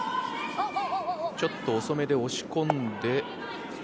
ちょっと遅めで押し込んで。